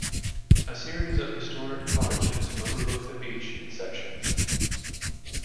A series of historic cottages overlook the beach in sections.